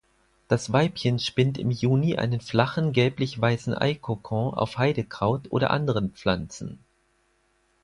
Das Weibchen spinnt im Juni einen flachen, gelblichweißen Eikokon auf Heidekraut oder anderen Pflanzen.